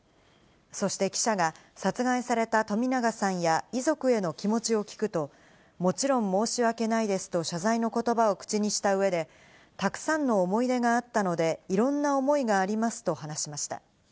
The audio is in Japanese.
そして記者が殺害された冨永さんや遺族への気持ちを聞くと、もちろん申し訳ないですと謝罪の言葉を口にした上で、たくさんの思い出があったので、いろんな思いがありますと話しました。